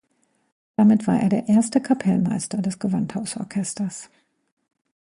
Damit war er der erste Kapellmeister des Gewandhausorchesters.